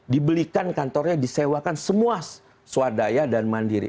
dibelikan kantornya disewakan semua swadaya dan mandiri